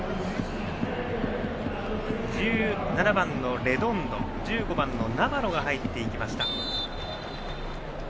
１７番のレドンド１５番のナバロが入っていきました。